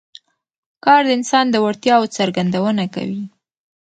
کار د انسان د وړتیاوو څرګندونه کوي